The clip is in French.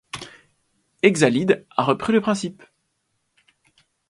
Exalead a repris le principe.